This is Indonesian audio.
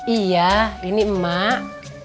iya ini emak